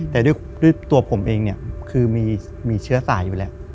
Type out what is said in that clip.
แต่ด้วยตัวผมเองเนี่ยคือมีเชื้อสายอยู่แล้ว